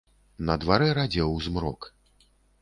На дварэ радзеў змрок.